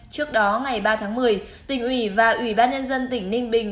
trước đó ngày ba tháng một mươi tỉnh ủy và ủy ban nhân dân tỉnh ninh bình